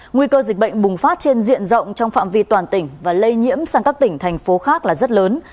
nguy cơ dịch bệnh bùng phát trên diện rộng trong phạm vi toàn tỉnh và lây nhiễm sang các tỉnh thành phố khác là rất lớn